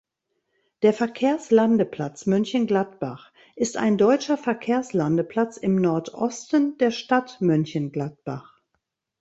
Der Verkehrslandeplatz Mönchengladbach ist ein deutscher Verkehrslandeplatz im Nordosten der Stadt Mönchengladbach.